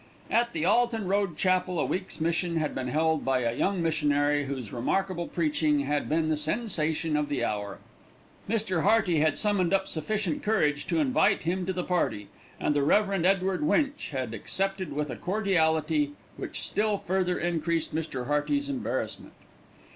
At the Alton Road Chapel a week's mission had been held by a young missionary, whose remarkable preaching had been the sensation of the hour. Mr. Hearty had summoned up sufficient courage to invite him to the party, and the Rev. Edward Winch had accepted with a cordiality which still further increased Mr. Hearty's embarrassment.